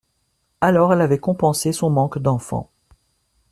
Alors elle avait compensé son manque d’enfant